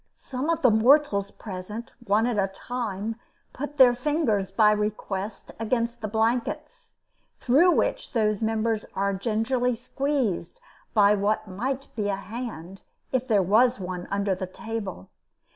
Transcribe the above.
Some of the mortals present, one at a time, put their fingers, by request, against the blankets, through which those members are gingerly squeezed by what might be a hand, if there was one under the table.